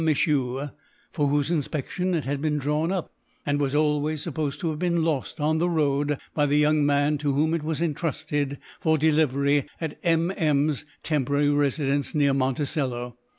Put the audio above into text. Michau, for whose inspection it had been drawn up; and was always supposed to have been lost on the road by the young man to whom it was entrusted for delivery at M. M.'s temporary residence, near Monticello.